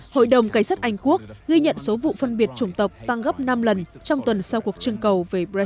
hội đồng cây sắt anh quốc ghi nhận số vụ phân biệt trùng tộc tăng gấp năm lần trong tuần sau cuộc trưng cầu